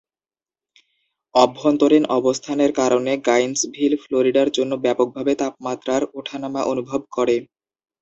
অভ্যন্তরীণ অবস্থানের কারণে, গাইন্সভিল ফ্লোরিডার জন্য ব্যাপকভাবে তাপমাত্রার ওঠানামা অনুভব করে।